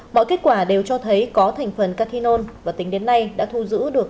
mọi kết quả đều cho thấy có thành phần cathinol và tính đến nay đã thu giữ được